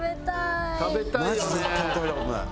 食べたい！